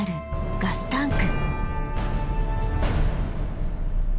ガスタンク！